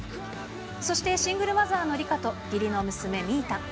そしてシングルマザーの梨花と義理の娘、みぃたん。